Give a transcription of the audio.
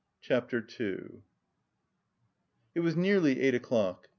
CHAPTER II It was nearly eight o'clock.